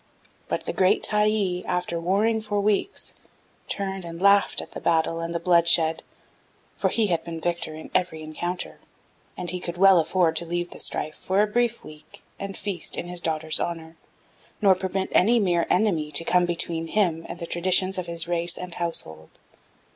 But the great Tyee, after warring for weeks, turned and laughed at the battle and the bloodshed, for he had been victor in every encounter, and he could well afford to leave the strife for a brief week and feast in his daughters' honor, nor permit any mere enemy to come between him and the traditions of his race and household.